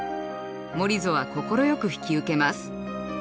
モリゾは快く引き受けます。